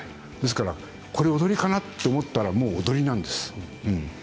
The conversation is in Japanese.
ですから、これ踊りかな？と思ったら踊りなんです。